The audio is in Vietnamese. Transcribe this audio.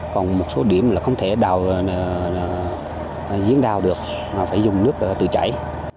còn một số điểm là không thể diễn đào được mà phải dùng nước tự chảy